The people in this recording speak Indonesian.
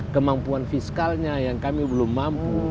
kemampuan fiskalnya yang kami belum mampu